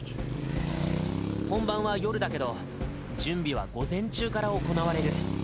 本番は夜だけど準備は午前中から行われる。